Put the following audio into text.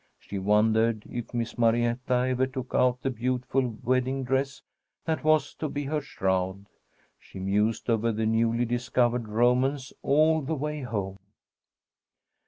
She wondered if Miss Marietta ever took out the beautiful wedding dress that was to be her shroud. She mused over the newly discovered romance all the way home.